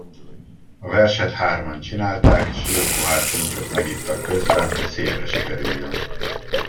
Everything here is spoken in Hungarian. A verset hárman csinálták, s jó pohár puncsot megittak közben, hogy szépre sikerüljön.